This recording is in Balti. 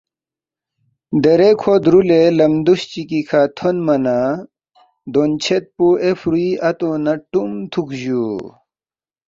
“ دیرے کھو درُولے لم دُوس چِگی کھہ تھونما نہ دونچھید پو اے فرُوی اتو نہ ٹُم تُھوکس جُو